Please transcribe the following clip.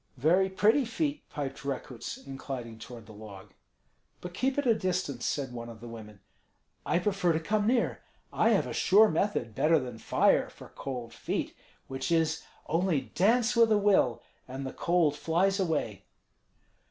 "Very pretty feet," piped Rekuts, inclining toward the log. "But keep at a distance," said one of the women. "I prefer to come near. I have a sure method, better than fire, for cold feet; which is, only dance with a will, and the cold flies away."